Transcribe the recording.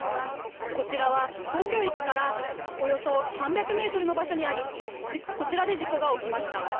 こちらは東京駅からおよそ３００ｍの場所にありこちらで事故がありました。